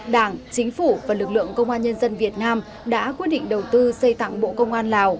đảng chính phủ và lực lượng công an nhân dân việt nam đã quyết định đầu tư xây tặng bộ công an lào